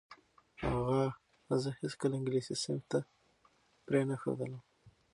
اغا زه هیڅکله انګلیسي صنف ته پرې نه ښودلم.